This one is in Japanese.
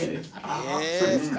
あそうですか。